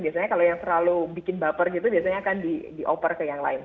biasanya kalau yang selalu bikin baper gitu biasanya akan dioper ke yang lain